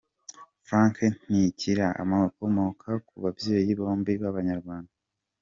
Frank Ntilikina akomoka ku babyeyi bombi b’Abanyarwanda.